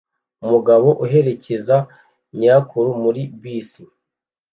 Umugabo aherekeza nyirakuru muri bisi